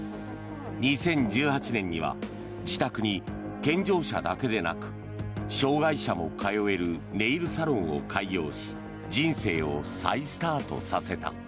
２０１８年には自宅に、健常者だけでなく障害者も通えるネイルサロンを開業し人生を再スタートさせた。